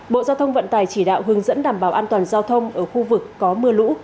bộ giao thông vận tài chỉ đạo hướng dẫn đảm bảo an toàn giao thông ở khu vực có mưa lũ